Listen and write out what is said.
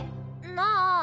なあ。